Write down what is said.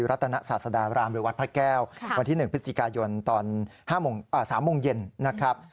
รัฐนศาสดารามหรือวัดพระแก้ววันที่๑พฤศจิกายนตอน๓โมงเย็นนะครับ